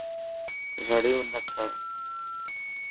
رڙيون نه ڪر